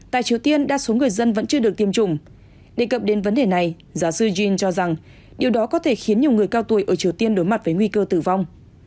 tại triều tiên đa số người dân vẫn chưa được tiêm chủng đề cập đến vấn đề này giáo sư jin cho rằng điều đó có thể khiến nhiều người cao tuổi ở triều tiên đối mặt với nguy cơ tử vong